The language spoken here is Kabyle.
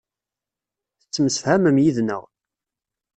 Tettemsefhamem yid-neɣ.